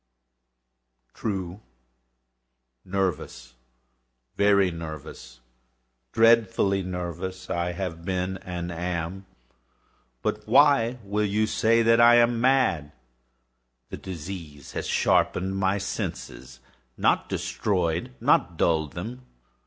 True!—nervous—very, very dreadfully nervous I had been and am; but why will you say that I am mad? The disease had sharpened my senses—not destroyed—not dulled them.